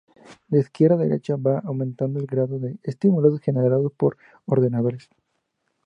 De izquierda a derecha va aumentando el grado de estímulos generados por ordenadores.